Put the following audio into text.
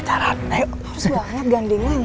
harus banget gandingan